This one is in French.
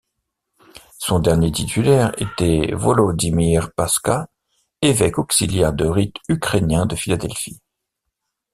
Son dernier titulaire était Wolodymyr Paska, évêque auxiliaire de rite ukrainien de Philadelphie.